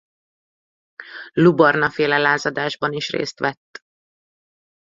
Lubarna-féle lázadásban is részt vett.